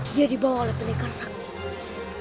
dia dibawa oleh peningkar sakti